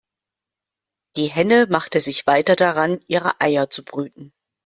Die Henne machte sich weiter daran, ihre Eier zu brüten.